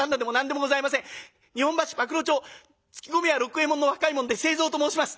日本橋馬喰町搗米屋六右衛門の若い者で清蔵と申します。